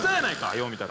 よう見たら。